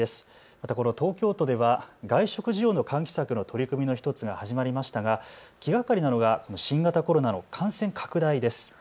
また、東京都では外食需要の喚起策の取り組みの１つが始まりましたが気がかりなのが新型コロナの感染拡大です。